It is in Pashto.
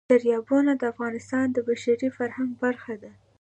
دریابونه د افغانستان د بشري فرهنګ برخه ده.